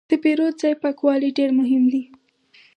د پیرود ځای پاکوالی ډېر مهم دی.